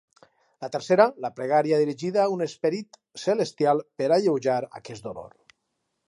La tercera, la pregària dirigida a un esperit celestial per alleujar aquest dolor.